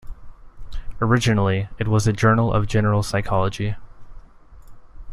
Originally it was a journal of general psychology.